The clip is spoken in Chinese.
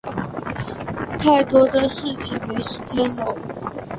太多的事情没时间搂